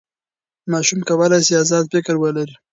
ماشوم کولی سي ازاد فکر ولري.